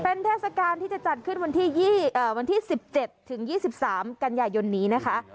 เป็นเทศกาลที่จะจัดขึ้นวันที่๑๗ถึง๒๓กันยายนนี้นะคะ